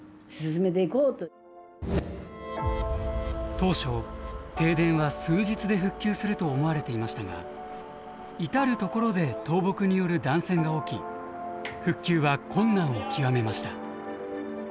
当初停電は数日で復旧すると思われていましたが至る所で倒木による断線が起き復旧は困難を極めました。